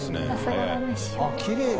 きれい。